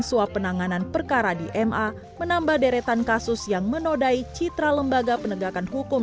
suap penanganan perkara di ma menambah deretan kasus yang menodai citra lembaga penegakan hukum